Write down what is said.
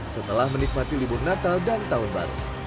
setelah menikmati libur natal dan tahun baru